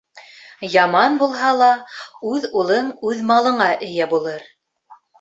Яман булһа ла үҙ улың үҙ малыңа эйә булыр.